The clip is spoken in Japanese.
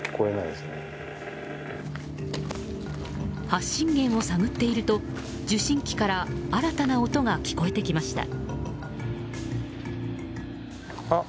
発信源を探っていると受信機から新たな音が聞こえてきました。